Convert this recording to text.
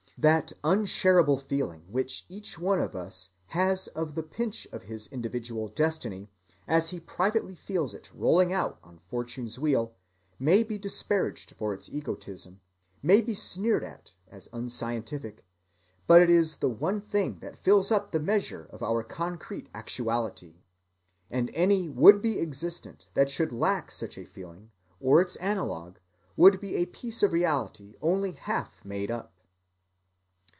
That unsharable feeling which each one of us has of the pinch of his individual destiny as he privately feels it rolling out on fortune's wheel may be disparaged for its egotism, may be sneered at as unscientific, but it is the one thing that fills up the measure of our concrete actuality, and any would‐be existent that should lack such a feeling, or its analogue, would be a piece of reality only half made up.